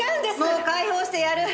もう解放してやる。